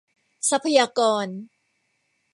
ทรัพยากร